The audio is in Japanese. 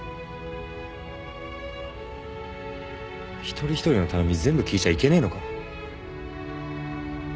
一人一人の頼み全部聞いちゃいけねえのか？